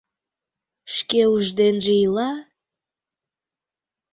Шке уш денже ила...